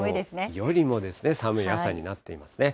よりですね、寒い朝になってますね。